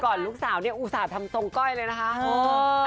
ลูกสาวเนี่ยอุตส่าห์ทำทรงก้อยเลยนะคะ